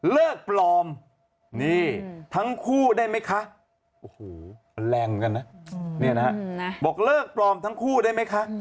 เลิกปลอมนี่ทั้งคู่ได้ไหมคะโอ้โหแรงเหมือนกันนะเนี่ยนะฮะบอกเลิกปลอมทั้งคู่ได้ไหมคะ